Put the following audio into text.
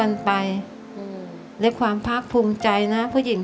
ทั้งในเรื่องของการทำงานเคยทำนานแล้วเกิดปัญหาน้อย